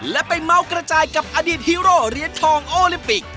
และไปเมาส์กระจายกับอดีตฮีโร่เหรียญทองโอลิมปิก